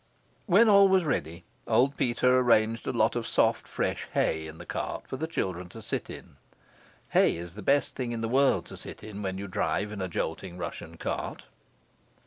When all was ready, old Peter arranged a lot of soft fresh hay in the cart for the children to sit in. Hay is the best thing in the world to sit in when you drive in a jolting Russian cart.